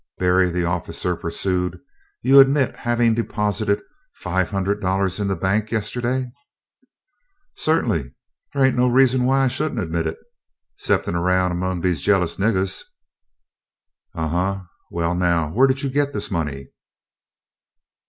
"Berry," the officer pursued, "you admit having deposited five hundred dollars in the bank yesterday?" "Sut'ny. Dey ain't no reason why I should n't admit it, 'ceptin' erroun' ermong dese jealous niggahs." "Uh huh! well, now, where did you get this money?"